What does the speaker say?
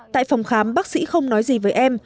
tại phòng khám bác sĩ không nói gì với em